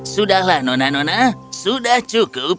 sudahlah nona nona sudah cukup